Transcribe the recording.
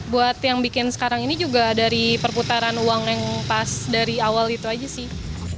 buat yang bikin sekarang ini juga dari perputaran uang yang pas dari awal itu aja sih